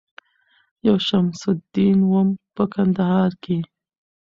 یو شمس الدین وم په کندهار کي